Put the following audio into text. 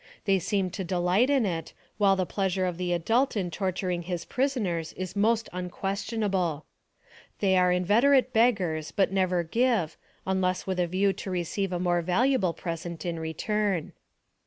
They seem to delight in it, while the pleasure of the adult in tortur ing his prisoners is most unquestionable. They are inveterate beggars, but never give, unless with a view to receive a more valuable present in return.